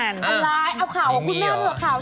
อะไรเอาข่าวของคุณแม่เผื่อข่าวสิ